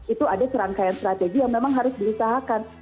itu ada serangkaian strategi yang memang harus diusahakan